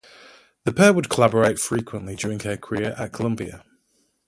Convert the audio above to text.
The pair would collaborate frequently during her career at Columbia.